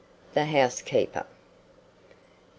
THE HOUSEKEEPER. 55.